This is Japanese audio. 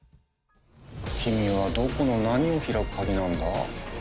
君はどこの何を開く鍵なんだ？